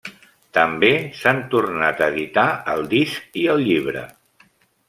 També s'han tornat a editar el disc i el llibre.